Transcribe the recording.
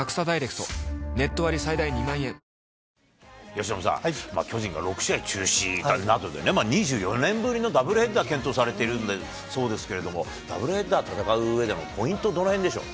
由伸さん、巨人が６試合中止などで、２４年ぶりのダブルヘッダーが検討されてるそうですけれども、ダブルヘッダーで戦ううえでのポイント、どのへんでしょう。